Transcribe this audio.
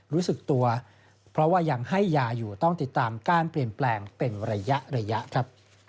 รู้สึกตัวเพราะว่ายังให้ยาอยู่ต้องติดตามการเปลี่ยนแปลงเป็นระยะครับ